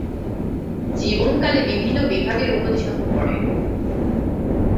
জীবন-কালে বিভিন্ন বিভাগে উন্নতি সাধন করে।